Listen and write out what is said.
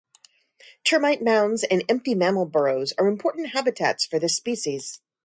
Termite mounds and empty mammal burrows are important habitats for this species.